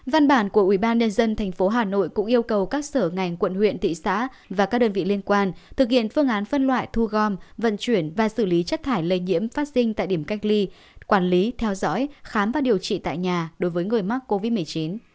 văn bản của ubnd tp hà nội cũng yêu cầu các sở ngành quận huyện thị xã và các đơn vị liên quan thực hiện phương án phân loại thu gom vận chuyển và xử lý chất thải lây nhiễm phát sinh tại điểm cách ly quản lý theo dõi khám và điều trị tại nhà đối với người mắc covid một mươi chín